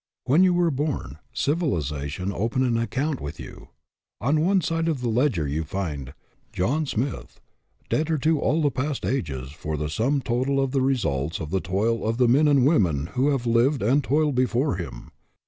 When you were born, civilization opened an account with you. On one side of the ledger you find :" John Smith, debtor to all the past ages for the sum total of the results of the toil of the men and the women who have lived and toiled before him.